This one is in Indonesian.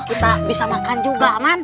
kita bisa makan juga kan